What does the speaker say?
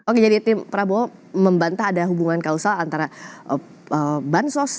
oke jadi tim prabowo membantah ada hubungan kausal antara bansos